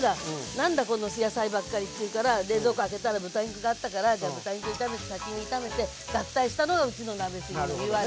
なんだこの野菜ばっかりって言うから冷蔵庫を開けたら豚肉があったからじゃあ豚肉炒めて先に炒めて合体したのがうちの鍋しげのいわれ。